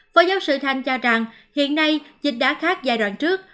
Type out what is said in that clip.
phó giáo sư thanh cho rằng hiện nay dịch đã khác giai đoạn trước